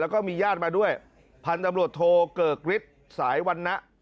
แล้วก็มีญาติมาด้วยพันธุ์ตำรวจโทเกิกฤทธิ์สายวันนะ